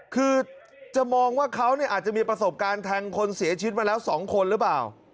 คือจะมองว่าเขาอาจจะมีประสบการณ์แทงคนเสียชีวิตมาแล้ว๒คนหรือเปล่า